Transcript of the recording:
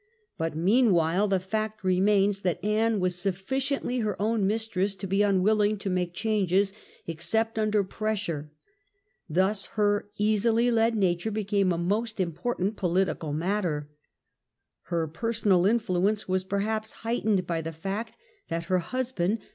But mean; while the fact remains that Anne was sufficiently her own mistress to be unwilling to make changes except under pressure. Thus her easily led nature became a most im portant political matter. Her personal influence was perhaps heightened by the fact that her husband.